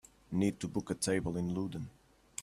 need to book a table in Ludden